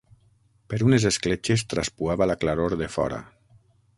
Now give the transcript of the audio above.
Per unes escletxes traspuava la claror de fora.